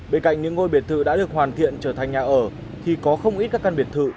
bên cạnh những ngôi biệt thự đã được hoàn thiện trở thành nhà ở thì có không ít các căn biệt thự